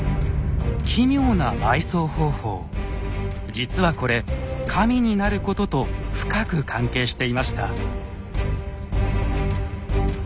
実はこれ神になることと深く関係していました。